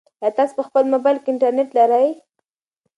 ایا تاسي په خپل موبایل کې انټرنيټ لرئ؟